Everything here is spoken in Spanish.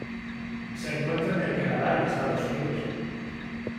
Se encuentra en el Canadá y Estados Unidos.